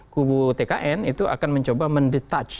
kubu tkn itu akan mencoba mendetach